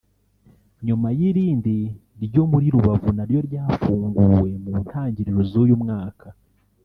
nyuma y’irindi ryo muri Rubavu naryo ryafunguwe mu ntangiriro z’uyu mwaka